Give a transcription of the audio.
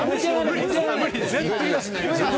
無理ですよ！